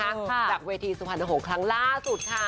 จากเวทีสุพรรณหงษ์ครั้งล่าสุดค่ะ